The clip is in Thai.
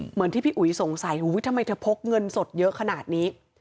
เหมือนที่พี่อุ๋ยสงสัยทำไมเธอพกเงินสดเยอะขนาดนี้